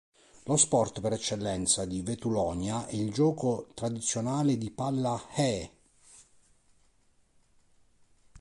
Lo sport per eccellenza di Vetulonia è il gioco tradizionale di Palla eh!.